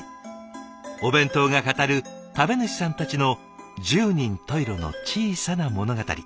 お弁当が語る食べ主さんたちの十人十色の小さな物語。